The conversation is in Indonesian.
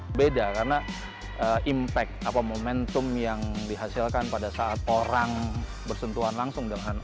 berbeda karena impact atau momentum yang dihasilkan pada saat orang bersentuhan langsung dengan